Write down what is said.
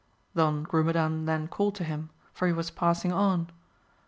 Don Grumedan then called to him for he was passing on.